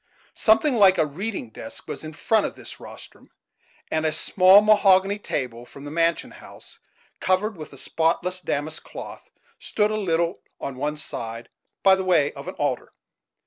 Something like a reading desk was in front of this rostrum; and a small mahogany table from the mansion house, covered with a spotless damask cloth, stood a little on one side, by the way of an altar.